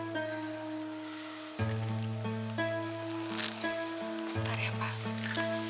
bentar ya pak